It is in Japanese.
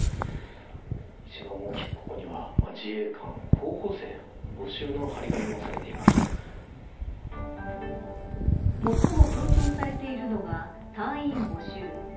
一番大きく、ここには自衛官候補生募集の最も強調されているのが隊員募集。